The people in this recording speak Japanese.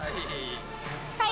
はい！